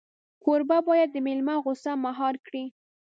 کوربه باید د مېلمه غوسه مهار کړي.